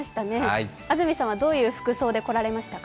安住さんはどういう服装で来られましたか？